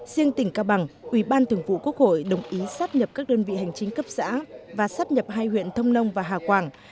riêng tỉnh cao bằng ubthqh đồng ý sắp nhập các đơn vị hành chính cấp xã và sắp nhập hai huyện thông nông và hà quảng